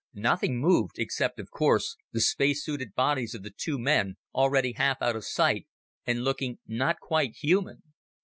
Nothing moved except, of course, the space suited bodies of the two men already half out of sight and looking not quite human.